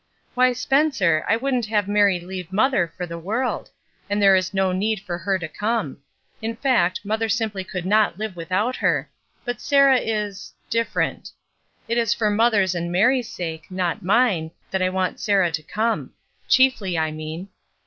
"Why, Spencer, I wouldn't have Mary leave mother for the world. And there is no need for her to come; in fact, mother simply could not live without her; but Sarah is — different. It is for mother's and Mary's sake, not mine, that I want Sarah to come— chiefly I mean.